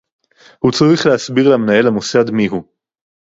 הוא צריך להסביר למנהל המוסד מיהו